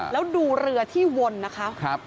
แล้วดูเรือที่วนนะคะ